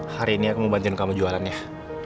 hari ini aku mau bantuin kamu jualan ya